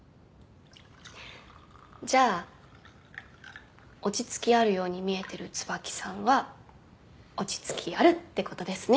じゃあ落ち着きあるように見えてる椿さんは落ち着きあるってことですね。